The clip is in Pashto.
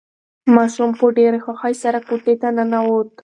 ماشوم په ډېرې خوښۍ سره کوټې ته ننوت.